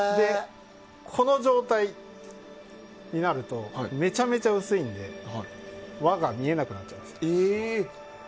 この状態になるとめちゃめちゃ薄いので輪が見えなくなっちゃいます。